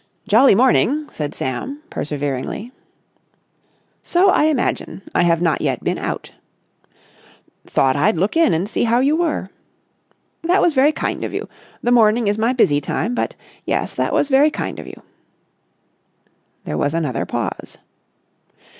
"Jolly morning," said Sam, perseveringly. "So I imagine. I have not yet been out." "Thought I'd look in and see how you were." "That was very kind of you. The morning is my busy time, but ... yes, that was very kind of you!" There was another pause.